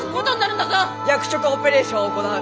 逆チョコオペレーションを行う！